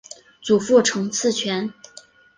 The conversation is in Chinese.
祖父陈赐全。